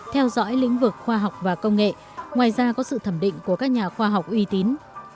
theo dõi lĩnh vực khoa học và công nghệ ngoài ra có sự thẩm định của các nhà khoa học uy tín